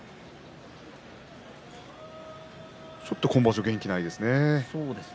ちょっと今場所元気がないですね。